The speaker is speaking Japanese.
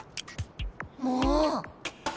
もう！